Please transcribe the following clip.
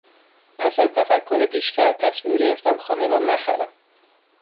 پس از تفکر بیشتر تصمیم گرفتم خانه را نخرم.